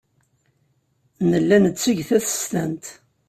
Nella netteg tasestant.